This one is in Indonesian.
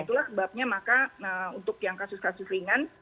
itulah sebabnya maka untuk yang kasus kasus ringan